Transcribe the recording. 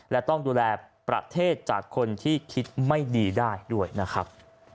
และต้องดูแลประเทศจากคนที่คิดไม่ดีได้ด้วยนะครับ